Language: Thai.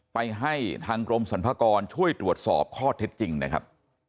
ไปให้ทางกรมสรรพากรช่วยตรวจสอบข้อเท็จจริงนะครับ